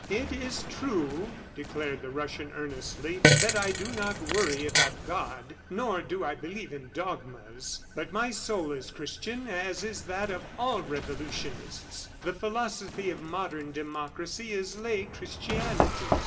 "It is true," declared the Russian earnestly, "that I do not worry about God, nor do I believe in dogmas, but my soul is Christian as is that of all revolutionists. The philosophy of modern democracy is lay Christianity.